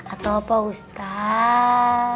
atau pak ustadz